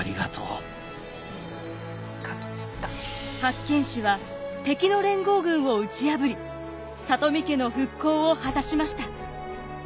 八犬士は敵の連合軍を打ち破り里見家の復興を果たしました。